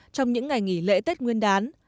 trong những ngày nghỉ lễ tết nguyên đán